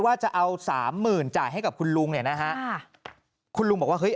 ว่าจะเอาสามหมื่นจ่ายให้กับคุณลุงเนี่ยนะฮะค่ะคุณลุงบอกว่าเฮ้